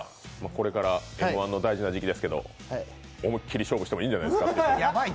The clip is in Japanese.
これからＭ−１の大事な時期ですけど思いっきり勝負してもいいんじゃないですか。